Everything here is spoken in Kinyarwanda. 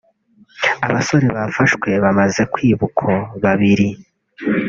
Abasore bafashwe bamaze kwiba uko babiri